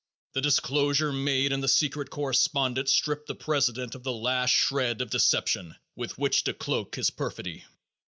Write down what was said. The disclosures made in the secret correspondence strip the president of the last shred of deception with which to cloak his perfidy.